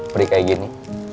perik kayak gini